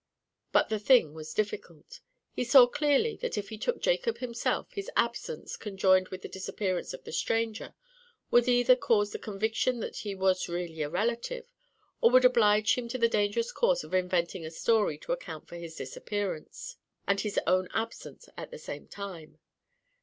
But the thing was difficult. He saw clearly that if he took Jacob himself, his absence, conjoined with the disappearance of the stranger, would either cause the conviction that he was really a relative, or would oblige him to the dangerous course of inventing a story to account for his disappearance, and his own absence at the same time.